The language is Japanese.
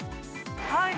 はい。